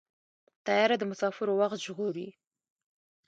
طیاره د مسافرو وخت ژغوري.